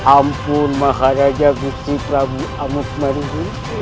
ampun maha raja gusti prabu ahmad maribor